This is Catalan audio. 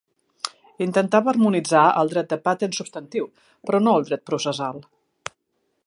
Intentava harmonitzar el dret de patents substantiu, però no el dret processal.